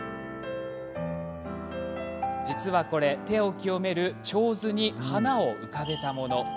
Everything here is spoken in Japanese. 実はこれ、手を清める手水に花を浮かべたもの。